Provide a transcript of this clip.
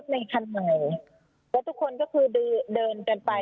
แม่ก็ไม่รู้สาเหตุว่าหยิงน้องทำไม